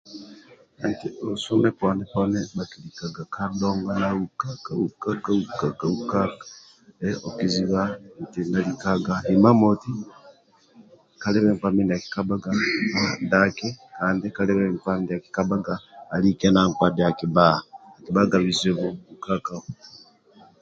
Nti busumi uponi bhakilikaga ka ndongo ukaka ukaka ukaka ukaka okuziba nti nalikaga kalibe mindia akikabhaga nti alike na daki akibhaga bizibu ukaka ukaka ukaka ukaka